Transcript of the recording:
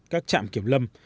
các trạm kiểm lâm